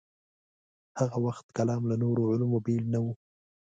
هاغه وخت کلام له نورو علومو بېل نه و.